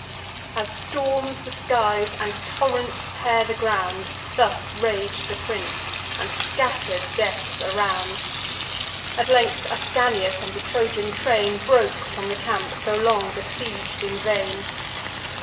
As storms the skies, and torrents tear the ground, Thus rag'd the prince, and scatter'd deaths around. At length Ascanius and the Trojan train Broke from the camp, so long besieg'd in vain.